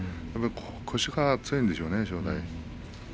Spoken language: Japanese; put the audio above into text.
腰が強いんでしょうね正代は。